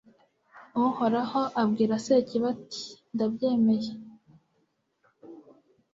uhoraho abwira sekibi, ati ndabyemeye